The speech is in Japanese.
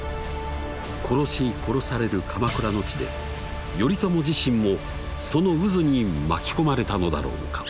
殺し殺される鎌倉の地で頼朝自身もその渦に巻き込まれたのだろうか。